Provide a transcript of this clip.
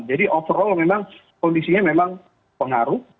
jadi overall memang kondisinya memang pengaruh